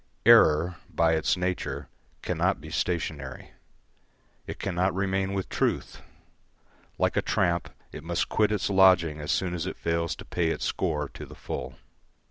Error, by its nature, cannot be stationary; it cannot remain with truth; like a tramp, it must quit its lodging as soon as it fails to pay its score to the full.